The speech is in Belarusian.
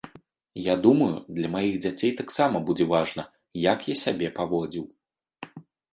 Я думаю, для маіх дзяцей таксама будзе важна, як я сябе паводзіў.